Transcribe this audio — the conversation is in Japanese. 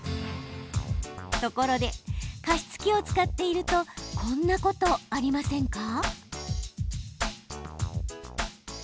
ところで、加湿器を使っているとこんなことありませんか？